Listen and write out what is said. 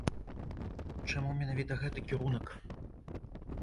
Чаму менавіта гэты кірунак?